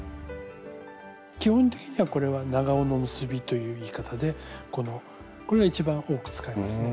基本的にはこれは「長緒の結び」という言い方でこのこれが一番多く使いますね。